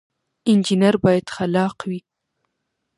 انجنیر باید خلاق وي